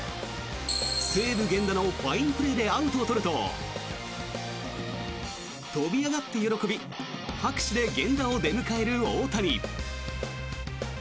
西武、源田のファインプレーでアウトを取ると跳び上がって喜び拍手で源田を迎える大谷。